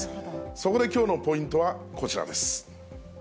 そこできょうのポイントはこちらです。